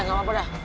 gak apa apa dah